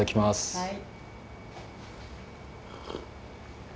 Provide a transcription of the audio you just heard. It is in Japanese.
はい。